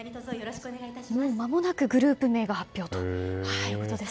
まもなくグループ名が発表ということですね。